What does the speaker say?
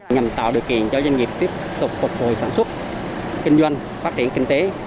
nhằm tạo điều kiện cho doanh nghiệp tiếp tục phục hồi sản xuất kinh doanh phát triển kinh tế